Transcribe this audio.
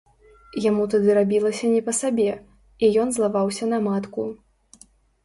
Яму тады рабілася не па сабе, і ён злаваўся на матку.